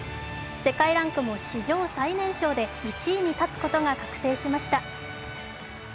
世界ランクも史上最年少で１位に立つことが確定しました。